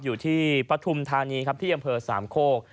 อยู่ที่ปฐุมธานีครับที่อำเภอสามโคก